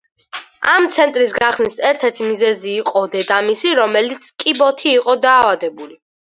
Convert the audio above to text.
ამ ცენტრის გახსნის ერთ-ერთი მიზეზი იყო დედამისი, რომელიც კიბოთი იყო დაავადებული.